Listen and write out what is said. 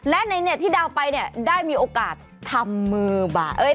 และในนี้ที่ดาวไปเนี่ยได้มีโอกาสทำบาดด้วยมือด้วย